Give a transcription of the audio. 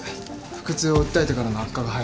腹痛を訴えてからの悪化が早い。